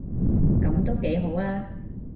噉都幾好吖